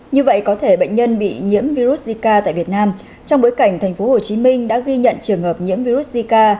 như vậy có thể bệnh nhân bị nhiễm virus zika tại việt nam trong bối cảnh tp hcm đã ghi nhận trường hợp nhiễm virus zika